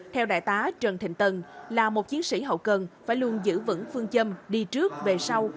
theo đại tá trần thịnh tân là một chiến sĩ hậu cần phải luôn giữ vững phương châm đi trước về sau